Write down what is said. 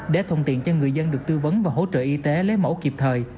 để thuận tiện cho người dân được tư vấn và hỗ trợ y tế lấy mẫu kịp thời